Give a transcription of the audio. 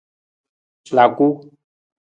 Laku.